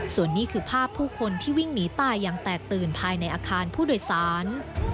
ส่วนนี้คือภาพผู้คนที่วิ่งหนีตายอย่างแตกตื่นภายในอาคารผู้โดยสาร